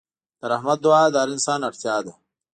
د رحمت دعا د هر انسان اړتیا ده.